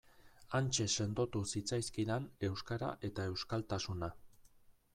Hantxe sendotu zitzaizkidan euskara eta euskaltasuna.